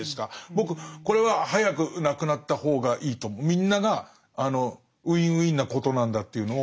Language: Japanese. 僕これは早くなくなった方がいいとみんながあのＷｉｎ−Ｗｉｎなことなんだっていうのを。